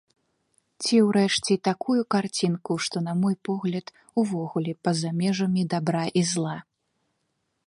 Ці ўрэшце такую карцінку, што, на мой погляд, увогуле па-за межамі дабра і зла.